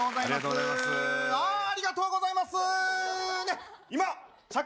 ありがとうございます。